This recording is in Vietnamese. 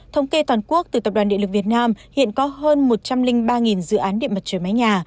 thống kê toàn quốc từ tập đoàn địa lực việt nam hiện có hơn một trăm linh ba dự án điện mặt trời mái nhà